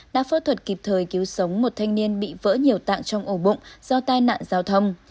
đã phẫu thuật kịp thời cứu sống một thanh niên bị vỡ nhiều tạng trong ổ bụng do tai nạn giao thông